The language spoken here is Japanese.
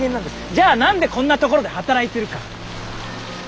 じゃあ何でこんな所で働いてるか？